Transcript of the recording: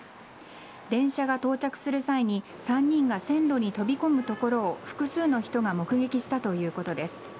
電車が到着する際に３人が線路に飛び込むところを複数の人が目撃したということです。